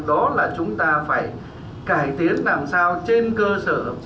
đó là chúng ta phải cải tiến làm sao trên cơ sở